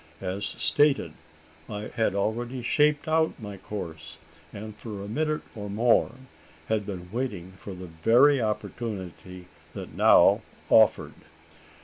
As stated, I had already shaped out my course; and, for a minute or more, had been waiting for the very opportunity that now offered.